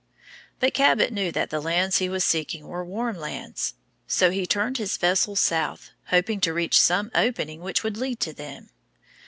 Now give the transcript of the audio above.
But Cabot knew that the lands he was seeking were warm lands. So he turned his vessel south, hoping to reach some opening which would lead to them.